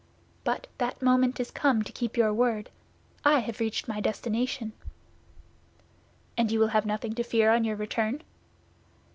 But the moment is come to keep your word; I have reached my destination." "And you will have nothing to fear on your return?"